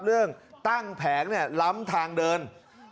เรื่องตั้งร้านล้ำเข้าไปตรงทางเดินครับ